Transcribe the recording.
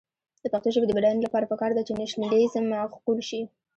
د پښتو ژبې د بډاینې لپاره پکار ده چې نیشنلېزم معقول شي.